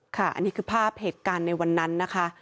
ค่ะอันนี้คือภาพเหตุการณ์ในวันนั้นนะคะ